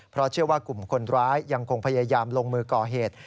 เพราะเชื่อว่ากลุ่มคนร้ายยังคงพยายามลงมือก่อเหตุ